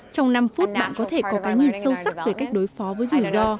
trong năm phút bạn có thể có cái nhìn sâu sắc về cách đối phó với rủi ro